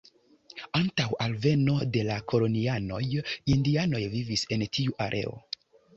Antaŭ alveno de la kolonianoj indianoj vivis en tiu areo.